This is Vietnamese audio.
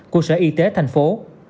của sở y tế tp hcm